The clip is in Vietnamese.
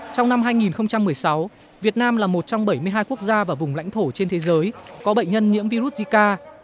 trong năm hai nghìn một mươi sáu việt nam là một trong bảy mươi hai quốc gia và vùng lãnh thổ trên thế giới có bệnh nhân nhiễm virus zika